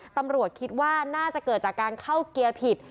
ตำรวจคิดว่าน่าจะเกิดจากการเข้าเกียร์ผิด